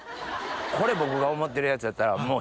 これ僕が思ってるやつやったらもう。